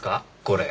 これ。